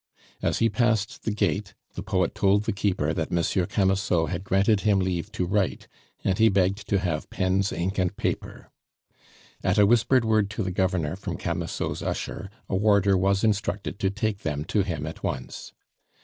As he passed the gate the poet told the keeper that Monsieur Camusot had granted him leave to write, and he begged to have pens, ink, and paper. At a whispered word to the Governor from Camusot's usher a warder was instructed to take them to him at once.